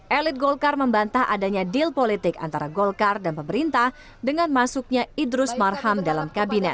elit golkar membantah adanya deal politik antara golkar dan pemerintah dengan masuknya idrus marham dalam kabinet